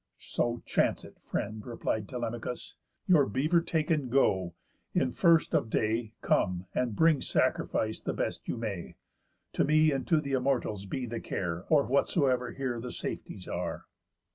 "So chance it, friend," replied Telemachus, "Your bever taken, go. In first of day Come, and bring sacrifice the best you may. To me and to th' Immortals be the care or whatsoever here the safeties are."